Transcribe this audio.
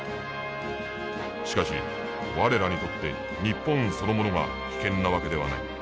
しかし我らにとって日本そのものが危険な訳ではない。